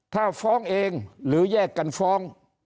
ถ้าฟ้องเองหรือแยกกันฟ้อง